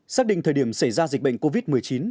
xác định thời điểm xảy ra dịch bệnh covid một mươi chín